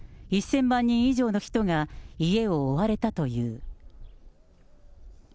１０００万人以上の人が家を追われたという。